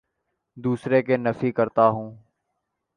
دوسروں کے نفی کرتا ہوں